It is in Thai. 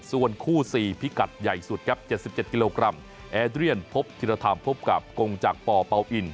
ส่วนคู่๔พิกัดใหญ่สุดครับ๗๗กิโลกรัมแอเดียนพบธิรธรรมพบกับกงจักรปเป่าอิน